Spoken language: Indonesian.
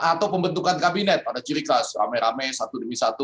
atau pembentukan kabinet ada ciri khas rame rame satu demi satu